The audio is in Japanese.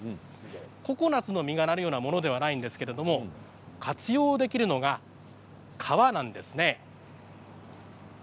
ココナツの実がなるようなものではないんですけれど活用できるのが皮なんです。